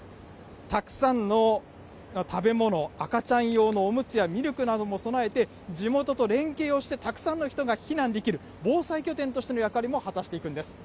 たくさんの食べ物、赤ちゃん用のおむつやミルクなども備えて、地元と連携をして、たくさんの人が避難できる防災拠点としての役割も果たしていくんです。